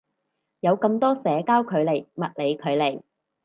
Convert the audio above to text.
有咁多社交距離物理距離